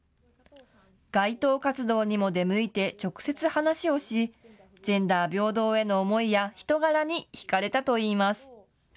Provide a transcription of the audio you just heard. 街頭活動にも出向いて直接話をしジェンダー平等への思いや人柄に引かれたといいます。